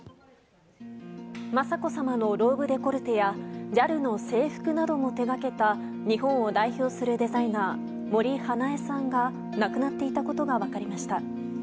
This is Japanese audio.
雅子さまのローブデコルテやＪＡＬの制服なども手掛けた日本を代表するデザイナー森英恵さんが亡くなっていたことが分かりました。